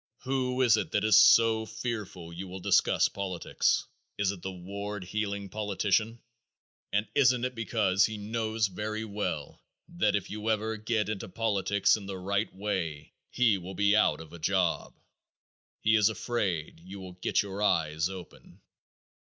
Who is it that is so fearful you will discuss politics? It is the ward heeling politician, and isn't it because he knows very well that if you ever get into politics in the right way he will be out of a job? He is afraid you will get your eyes open.